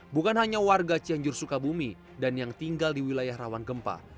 bukan hanya warga cianjur sukabumi dan yang tinggal di wilayah rawan gempa